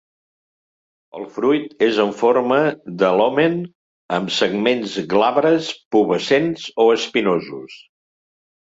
El fruit és en forma de loment amb segments glabres, pubescents o espinosos.